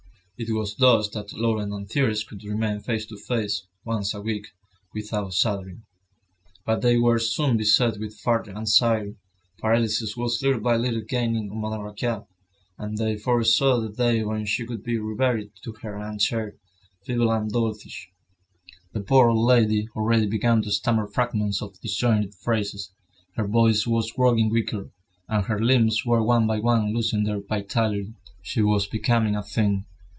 It was thus that Laurent and Thérèse could remain face to face, once a week, without shuddering. But they were soon beset with further anxiety. Paralysis was little by little gaining on Madame Raquin, and they foresaw the day when she would be riveted to her armchair, feeble and doltish. The poor old lady already began to stammer fragments of disjointed phrases; her voice was growing weaker, and her limbs were one by one losing their vitality. She was becoming a thing.